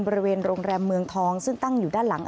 บริเวณโรงแรมเมืองทองซึ่งตั้งอยู่ด้านหลัง